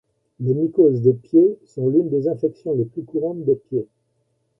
Les mycoses des pieds sont l'une des infections les plus courantes des pieds.